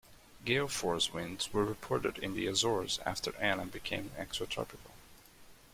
Gale force winds were reported in the Azores after Anna became extratropical.